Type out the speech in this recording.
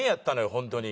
本当に。